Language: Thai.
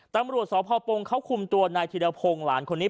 ตำรวจสพปงเขาคุมตัวนายธิรพงศ์หลานคนนี้